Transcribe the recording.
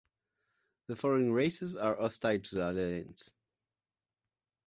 The following races are hostile to the Alliance.